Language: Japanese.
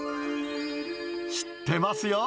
知ってますよ。